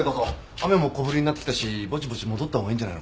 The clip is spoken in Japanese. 雨も小降りになってきたしぼちぼち戻ったほうがいいんじゃないのか？